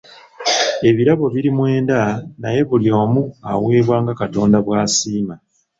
Ebirabo biri mwenda naye buli omu aweebwa nga Katonda bw'asiima